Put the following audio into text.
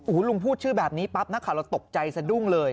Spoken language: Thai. อู๋ลุงพูดชื่อแบบนี้ปั๊บนะคะเราตกใจสะดุ้งเลย